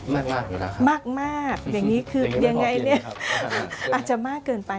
มากมากอย่างนี้คือยังไงเนี่ยอาจจะมากเกินไป